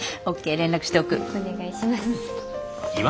お願いします。